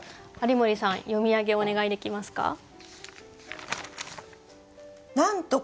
有森さん読み上げお願いできますか。